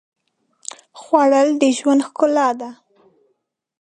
خوړل د ژوند ښکلا ده